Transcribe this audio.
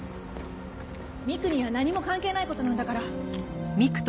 美玖には何も関係ない事なんだから。